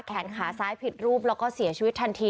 แขนขาซ้ายผิดรูปแล้วก็เสียชีวิตทันที